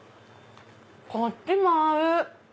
こっちも合う！